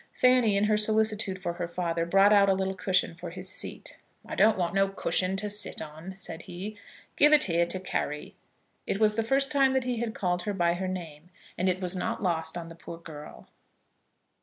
Fanny, in her solicitude for her father, brought out a little cushion for his seat. "I don't want no cushion to sit on," said he; "give it here to Carry." It was the first time that he had called her by her name, and it was not lost on the poor girl.